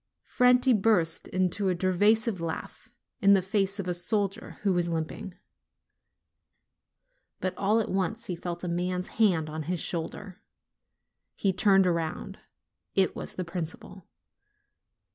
Franti burst into a derisive laugh, in the face of a soldier who was limping. But all at once he felt a man's hand on his shoulder : he turned round ; it was the principal.